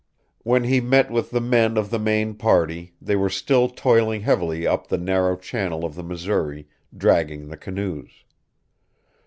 When he met with the men of the main party, they were still toiling heavily up the narrow channel of the Missouri, dragging the canoes.